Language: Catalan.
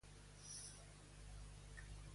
Per què no va sancionar Apol·lo a Babis també?